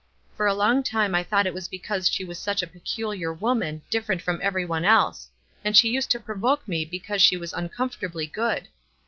For a long time I thought it was because she was such a peculiar woman, different from any one else; and she used to provoke me because she was uncomfortably good.